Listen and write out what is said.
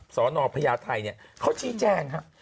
สอนอพญาไทยเนี่ยเขาชี้แจ้งครับ